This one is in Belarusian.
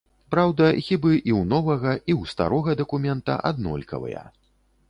Праўда, хібы і ў новага, і ў старога дакумента аднолькавыя.